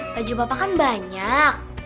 baju papa kan banyak